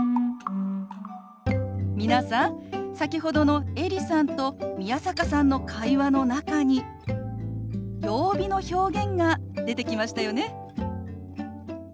皆さん先ほどのエリさんと宮坂さんの会話の中に曜日の表現が出てきましたよね。